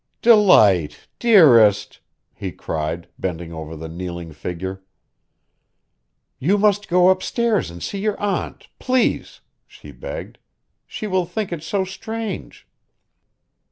"Delight! Dearest!" he cried, bending over the kneeling figure. "You must go upstairs and see your aunt please!" she begged. "She will think it so strange."